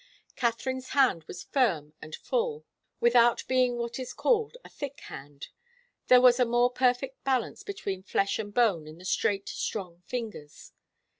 Katharine's hand was firm and full, without being what is called a thick hand. There was a more perfect balance between flesh and bone in the straight, strong fingers.